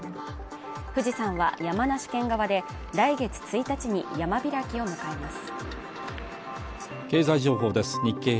富士山は山梨県側で来月１日に山開きを迎えます。